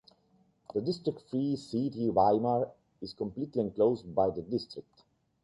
The district-free city Weimar is completely enclosed by the district.